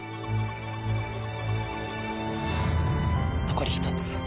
残り一つ。